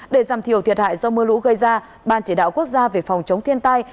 để giảm thiểu thiệt hại do mưa lũ gây ra ban chỉ đạo quốc gia về phòng chống thiên tai